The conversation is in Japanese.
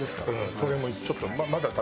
それもちょっと。